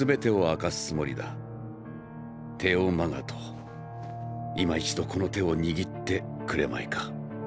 テオ・マガトいま一度この手を握ってくれまいか？